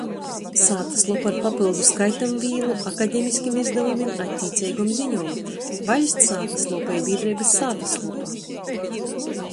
Sātyslopa ar papyldu skaitamvīlu, akademiskim izdavumim, attīceigom ziņom. Vaļsts sātyslopa i bīdreibys sātyslopa.